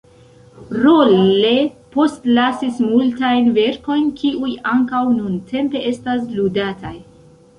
Rolle postlasis multajn verkojn, kiuj ankaŭ nuntempe estas ludataj.